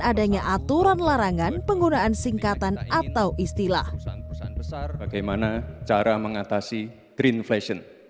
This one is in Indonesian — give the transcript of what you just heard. adanya aturan larangan penggunaan singkatan atau istilah bagaimana cara mengatasi greenflation